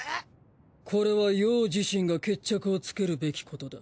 これは葉自身が決着をつけるべきことだ。